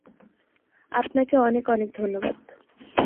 আপনাকে অনেক অনেক ধন্যবাদ।